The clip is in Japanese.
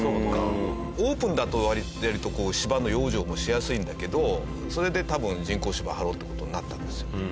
オープンだと割とこう芝の養生もしやすいんだけどそれで多分人工芝張ろうって事になったんです。